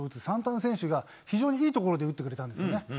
サンタナ選手が非常にいいところで打ってくれたんです。